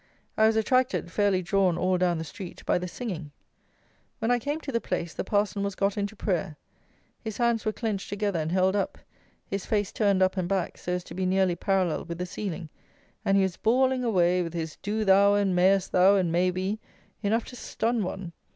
I was attracted, fairly drawn all down the street, by the singing. When I came to the place the parson was got into prayer. His hands were clenched together and held up, his face turned up and back so as to be nearly parallel with the ceiling, and he was bawling away, with his "do thou," and "mayest thou," and "may we," enough to stun one.